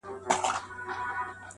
o بې کفنه ښه دئ، بې وطنه نه٫